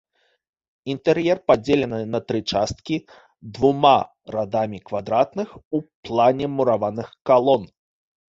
Інтэр'ер падзелены на тры часткі двума радамі квадратных у плане мураваных калон.